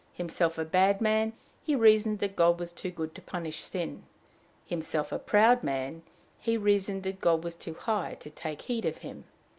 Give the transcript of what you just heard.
Himself a bad man, he reasoned that God was too good to punish sin; himself a proud man, he reasoned that God was too high to take heed of him.